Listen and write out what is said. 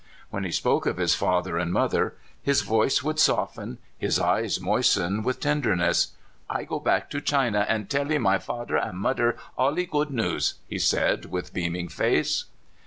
When he spoke of his father and mother his voice would soften, his eyes moisten with ten derness. "I go back to China and tellee my fader and mydder allee good news," he said, with beaming face.